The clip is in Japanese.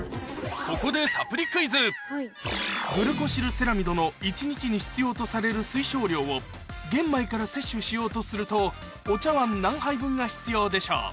ここでグルコシルセラミドの一日に必要とされる推奨量を玄米から摂取しようとするとお茶わん何杯分が必要でしょう？